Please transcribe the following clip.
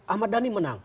ahmad dhani menang